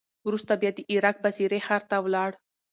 وروسته بیا د عراق بصرې ښار ته ولاړ.